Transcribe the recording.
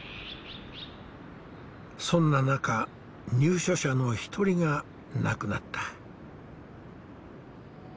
そんな中入所者の一人が亡くなった。